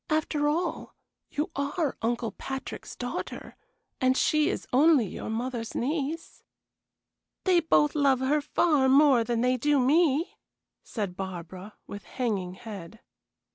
After all, you are Uncle Patrick's daughter, and she is only your mother's niece." "They both love her far more than they do me," said Barbara, with hanging head.